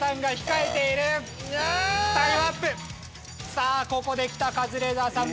さあここできたカズレーザーさん。